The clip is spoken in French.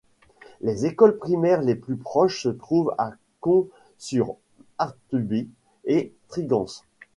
Les écoles primaires les plus proches se trouvent à Comps-sur-Artuby et Trigance.